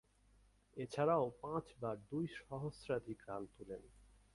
এছাড়াও পাঁচবার দুই সহস্রাধিক রান তুলেন।